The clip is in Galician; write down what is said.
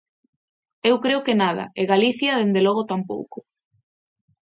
Eu creo que nada, e Galicia, dende logo, tampouco.